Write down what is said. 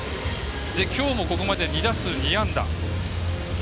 きょうもここまで２打数２安打。